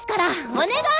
お願い！